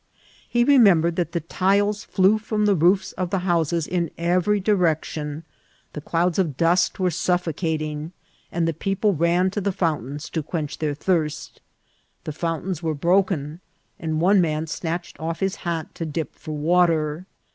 He remembered that the tiles flew from the roojb of the houses in every directi<Hi ; the clouds of dust were suffocating, and the people ran to the fountains to quench their thirst The fountains CATHKDKAL OF LA ANTIOUA. 271 were broken, and one man snatched off his hat to dip for water.